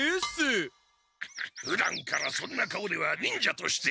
ふだんからそんな顔では忍者として。